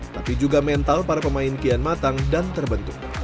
tapi juga mental para pemain kian matang dan terbentuk